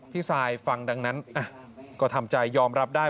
ทรายฟังดังนั้นก็ทำใจยอมรับได้